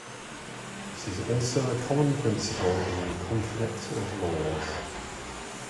It is also a common principle in conflict of laws.